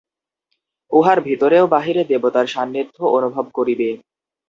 উহার ভিতরে ও বাহিরে দেবতার সান্নিধ্য অনুভব করিবে।